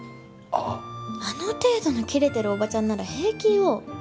あっあの程度のキレてるおばちゃんなら平気よ